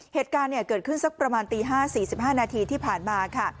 เหตุการณ์เนี่ยเกิดขึ้นสักประมาณตีห้าสี่สิบห้านาทีที่ผ่านมาค่ะ